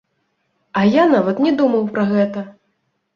А я нават не думаў пра гэта!